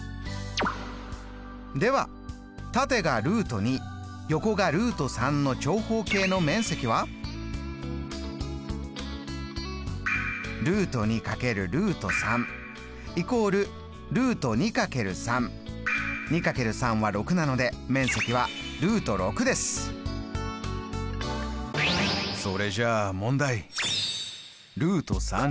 では縦が横がの長方形の面積は２×３は６なので面積はそれじゃあ問題。